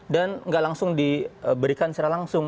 dan nggak langsung diberikan secara langsung